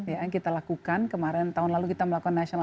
yang kita lakukan kemarin tahun lalu kita melakukan nasional